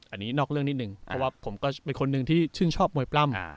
อันนี้นอกเรื่องนิดนึงเพราะว่าผมก็เป็นคนหนึ่งที่ชื่นชอบมวยปล้ำ